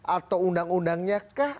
atau undang undangnya kah